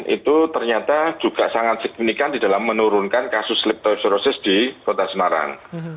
itu ternyata juga sangat signifikan di dalam menurunkan kasus leptosrosis di kota semarang